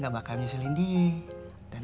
saat kau menenerang